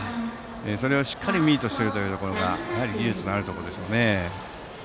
それをしっかりミートしているところが技術のあるところですね。